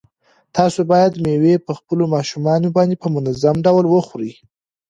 تاسو باید مېوې په خپلو ماشومانو باندې په منظم ډول وخورئ.